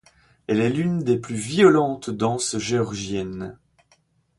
Elle est l’une des plus violentes danses géorgiennes.